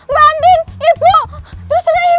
mbak andin ibu terus reina